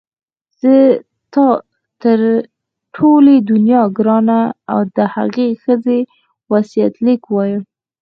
زه تا ته تر ټولې دنیا ګرانه د هغې ښځې وصیت لیک وایم.